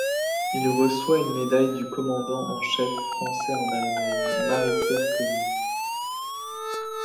Il reçoit une médaille du commandant en chef français en Allemagne Marie-Pierre Kœnig.